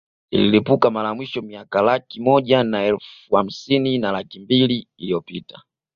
Ililipuka mara ya mwisho miaka laki moja na elfu hamsini na laki mbili iliyopita